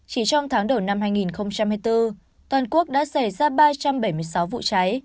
chỉ trong tháng đầu năm hai nghìn hai mươi bốn toàn quốc đã xảy ra ba trăm bảy mươi sáu vụ cháy